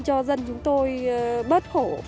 để cho dân chúng tôi bớt khổ